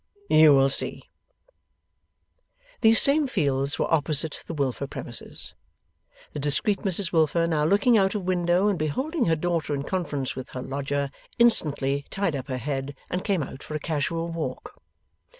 'You will see.' These same fields were opposite the Wilfer premises. The discreet Mrs Wilfer now looking out of window and beholding her daughter in conference with her lodger, instantly tied up her head and came out for a casual walk.